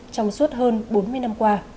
trong suốt hơn bốn mươi năm qua